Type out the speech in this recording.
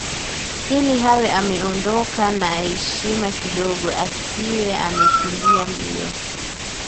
ili awe ameondoka na heshima kidogo asiwe amekimbia mbio